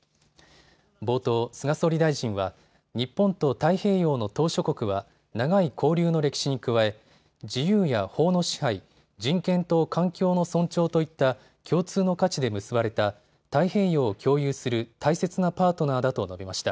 冒頭、菅総理大臣は日本と太平洋の島しょ国は長い交流の歴史に加え自由や法の支配、人権と環境の尊重といった共通の価値で結ばれた太平洋を共有する大切なパートナーだと述べました。